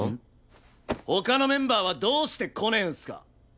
他のメンバーはどうして来ねえんすか？